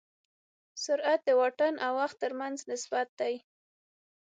سرعت د واټن او وخت تر منځ نسبت دی.